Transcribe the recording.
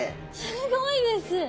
すごいです！